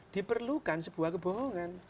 diperlukan sebuah kebohongan